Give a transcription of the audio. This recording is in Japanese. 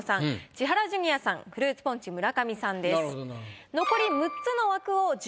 千原ジュニアさんフルーツポンチ村上さんです。